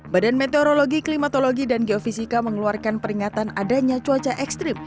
badan meteorologi klimatologi dan geofisika mengeluarkan peringatan adanya cuaca ekstrim